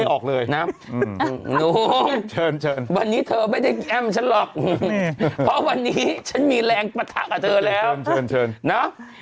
โอเคน้ำหนุ่มนะวันนี้ฉันมีแรงนะ